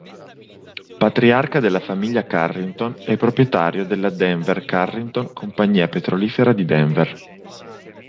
Patriarca della famiglia Carrington e proprietario della Denver-Carrington, compagnia petrolifera di Denver.